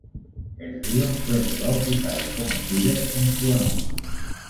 El río fue rebautizado como Tíber en su honor.